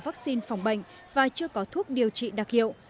chưa có vắc xin phòng bệnh và chưa có thuốc điều trị đặc hiệu